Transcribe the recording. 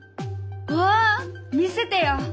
わあ見せてよ！